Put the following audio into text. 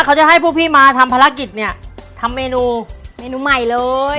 เขาจะให้พวกพี่มาทำภารกิจเนี่ยทำเมนูเมนูใหม่เลย